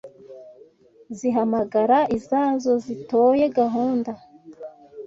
Zihamagara izazo Zitoye gahunda